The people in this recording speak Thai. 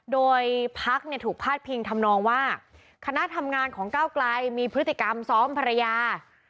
โดยพักเนี่ยถูกพาดพิงทำนองว่าคณะทำงานของก้าวไกลมีพฤติกรรมซ้อมภรรยา